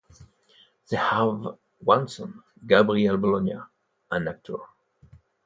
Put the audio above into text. They have one son, Gabriel Bologna, an actor.